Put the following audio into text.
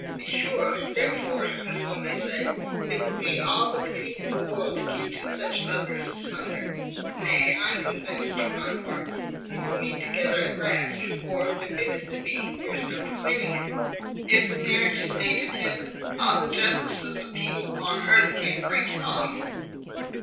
To be sure, therefore, as one may say, it would be all the pity in the world to keep two such loviers asunder; nay, I am convinced, for my part, you will meet together at last; for, if it is to be, there is no preventing it. If a marriage is made in heaven, all the justices of peace upon earth can't break it off.